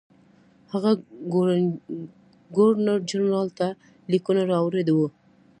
هغه ګورنرجنرال ته لیکونه راوړي وو.